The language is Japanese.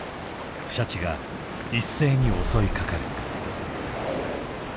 シャチが一斉に襲いかかる。